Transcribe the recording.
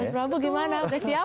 mas prabu gimana udah siap